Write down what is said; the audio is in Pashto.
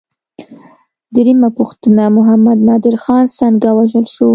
درېمه پوښتنه: محمد نادر خان څنګه ووژل شو؟